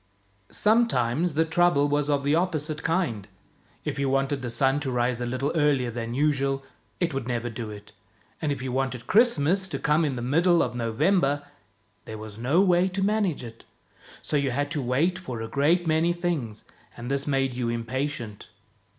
Sometimes the trouble was of the opposite kind. If you 'wanted the sun to rise a little earlier than usual, it would never do it, and if you wanted Christmas to come in the middle of November, there was no way to manage it. So you had to wait for a great many things, and this made you impatient.